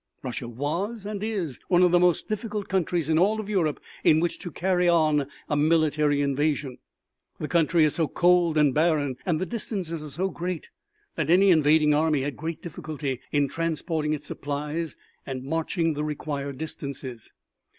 Russia was and is one of the most difficult countries in all Europe in which to carry on a military invasion. The country is so cold and barren and the distances are so great that any invading army has great difficulty in transporting its supplies and marching the required distances.